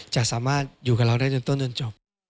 จะสามารถอยู่กับเราได้จนต้นจนจบ